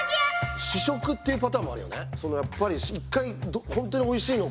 試食っていうパターンもあるよね？